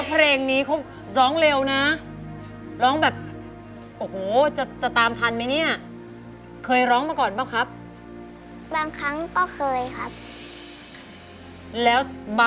เพลงเร็วอย่างนี้เราทนัดรึเปล่า